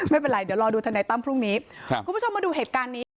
ไม่เป็นไรเดี๋ยวรอดูทนายตั้มพรุ่งนี้ครับคุณผู้ชมมาดูเหตุการณ์นี้ค่ะ